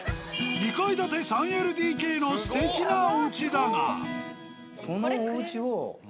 ２階建て３ＬＤＫのすてきなおうちだが。